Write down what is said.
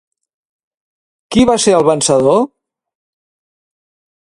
Qui va ser el vencedor?